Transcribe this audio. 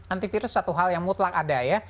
antivirus satu hal yang mutlak ada ya